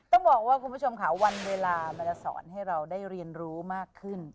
ต้องบอกว่าคุณผู้ชมค่ะวันเวลามันจะสอนให้เราได้เรียนรู้มากขึ้น